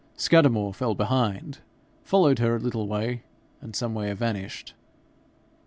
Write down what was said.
Scudamore fell behind, followed her a little way, and somewhere vanished.